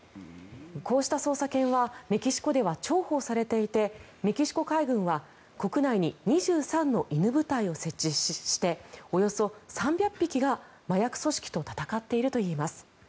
こうした捜査犬はメキシコでは重宝されていてメキシコ海軍は国内に２３の犬部隊を設置しておよそ３００匹が麻薬組織と戦っているといいます。